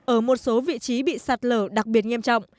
ở một số vị trí bị sạt lở đặc biệt nghiêm trọng